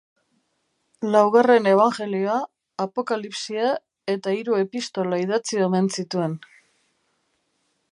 Laugarren Ebanjelioa, Apokalipsia eta hiru Epistola idatzi omen zituen.